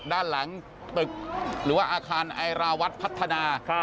ด้านหลังตึกหรือว่าอาคารไอราวัฒน์พัฒนา